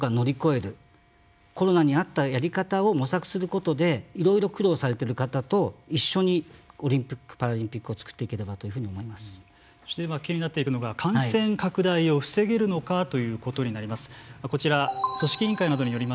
特別扱いではない中でなんとか乗り越えるコロナにあったやり方を模索することでいろいろ苦労されている方と一緒にオリンピック・パラリンピックを作っていければというふうにそして今気になっているのが感染拡大を防げるのかということになります。